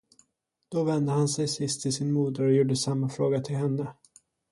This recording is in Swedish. Då vände han sig sist till sin moder och gjorde samma fråga till henne.